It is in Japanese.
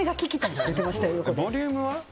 ボリュームは？